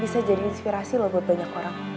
bisa jadi inspirasi loh buat banyak orang